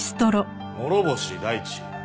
諸星大地？